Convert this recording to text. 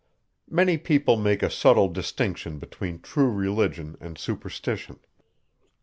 Many people make a subtle distinction between true religion and superstition.